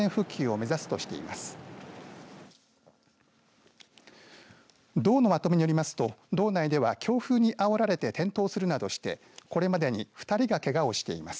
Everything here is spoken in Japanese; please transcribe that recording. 道のまとめによりますと道内では強風にあおられて転倒するなどしてこれまでに２人がけがをしています。